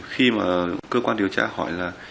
khi mà cơ quan điều tra hỏi là